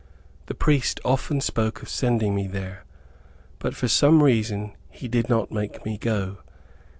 The priest often spoke of sending me there, but for some reason, he did not make me go.